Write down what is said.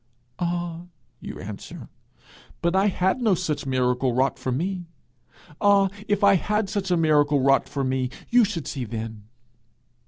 'Ah,' you answer, 'but I had no such miracle wrought for me! Ah, if I had such a miracle wrought for me, you should see then!'